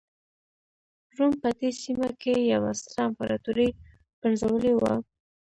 روم په دې سیمه کې یوه ستره امپراتوري پنځولې وه.